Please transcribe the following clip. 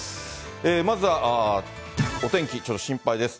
まずはお天気、ちょっと心配です。